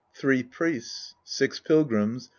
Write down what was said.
Three Piiests. Six Pilgrims.